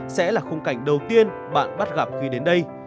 sẽ là khung cảnh đầu tiên bạn bắt gặp khi đến đây